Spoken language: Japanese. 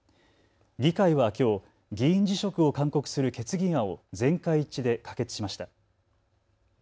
議会はきょう議員辞職を勧告する決議案を全会一致で可決しました。